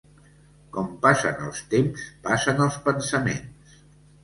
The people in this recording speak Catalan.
Com passen els temps, passen els pensaments.